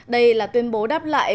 đây là tuyên bố đáp lại